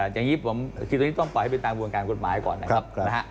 อย่างนี้ผมคิดว่าต้องปล่อยให้เป็นตามบุรการกฎหมายก่อนนะครับ